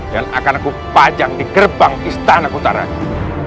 dan akan aku pajang di gerbang istana kota raja